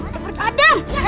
di perut adam